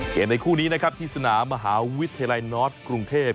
ในคู่นี้นะครับที่สนามมหาวิทยาลัยนอร์สกรุงเทพ